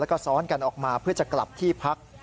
แล้วก็ซ้อนกันออกมาเพื่อจะกลับที่พัก